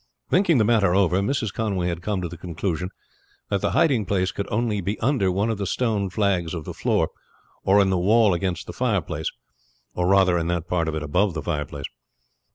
Thinking the matter over, Mrs. Conway had come to the conclusion that the hiding place could only be under one of the stone flags of the floor or in the wall against the fireplace, or rather in that part of it above the fireplace.